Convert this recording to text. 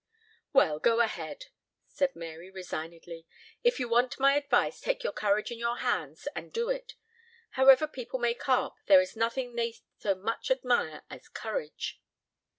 "Well, go ahead," said Mary resignedly. "If you want my advice, take your courage in your hands and do it. However people may carp, there is nothing they so much admire as courage."